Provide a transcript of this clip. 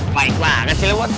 baik banget sih lewat